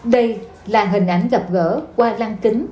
đây là hình ảnh gặp gỡ qua lan kính